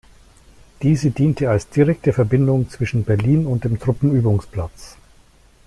Diese diente als direkte Verbindung zwischen Berlin und dem Truppenübungsplatz.